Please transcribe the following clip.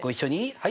はい。